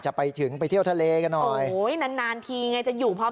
จะไปถึงไปเที่ยวทะเลกันหน่อยโอ้ยนานนานทีไงจะอยู่พร้อม